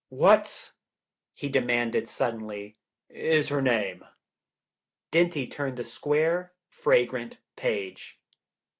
"What," he demanded suddenly, "is her name?" Dinty turned the square, fragrant page.